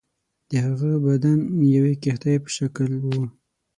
د هغه بدن د یوې کښتۍ په شکل وو.